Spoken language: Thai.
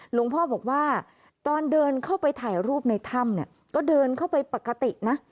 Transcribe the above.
หลวงพ่อบอกว่าตอนเดินเข้าไปถ่ายรูปในถ้ำเนี่ยก็เดินเข้าไปปกตินะ